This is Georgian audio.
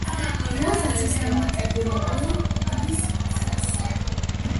„რაღაცას“ დამატებული ორი უდრის ხუთს.